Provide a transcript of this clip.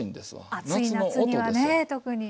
暑い夏にはね特に。